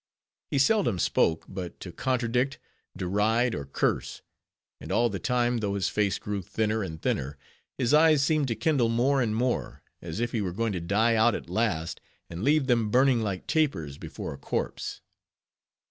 He seldom spoke, but to contradict, deride, or curse; and all the time, though his face grew thinner and thinner, his eyes seemed to kindle more and more, as if he were going to die out at last, and leave them burning like tapers before a corpse.